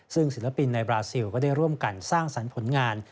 ซึ่งศิลปินในบราซิลก็ได้ร่วมกันสร้างสรรค์ผลงาน